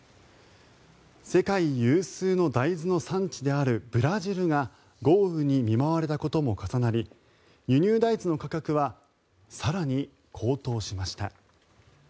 世界有数の大豆の産地であるブラジルが豪雨に見舞われたことも重なり輸入大豆の価格は更に高騰しました。